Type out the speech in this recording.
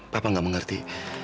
papa nggak mengerti